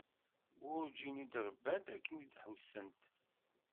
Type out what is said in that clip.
Werǧin i d-rbant akken ad ḥussent.